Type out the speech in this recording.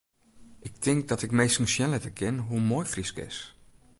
Ik tink dat ik minsken sjen litte kin hoe moai Frysk is.